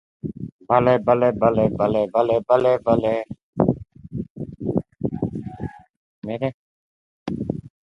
بعد جست زد و پیش آمد، گفت: نه